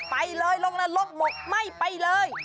ไปเลยลงนรกหมกไม่ไปเลย